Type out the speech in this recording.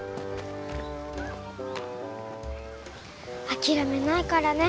諦めないからね。